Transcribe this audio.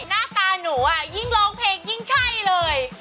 หน้าตาหนูยิ่งร้องเพลงยิ่งใช่เลย